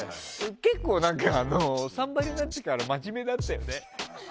結構「サンバリュ」になってから真面目だったよね。